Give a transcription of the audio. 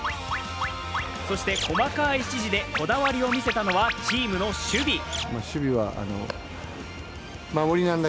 そして、細かい指示でこだわりを見せたのはチームの守備。